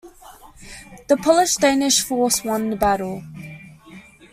The Polish-Danish force won the battle.